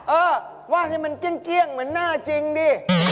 เออว่างให้มันเกลี้ยงเหมือนหน้าจริงดิ